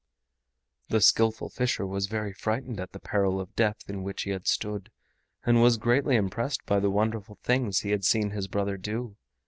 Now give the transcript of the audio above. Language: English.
The Skillful Fisher was very frightened at the peril of death in which he had stood, and was greatly impressed by the wonderful things he had seen his brother do.